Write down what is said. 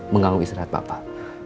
mengganggu istirahat bapak